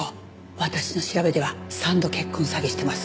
私の調べでは３度結婚詐欺してます。